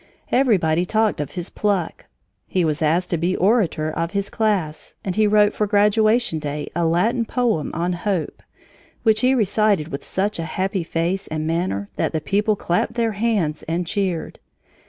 Everybody talked of his pluck. He was asked to be orator of his class, and he wrote for graduation day a Latin poem on Hope, which he recited with such a happy face and manner that the people clapped their hands and cheered.